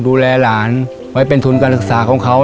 ดูแลหลานไว้เป็นทุนการศึกษาของเขา